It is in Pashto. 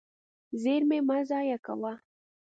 زیرمې مه ضایع کوه.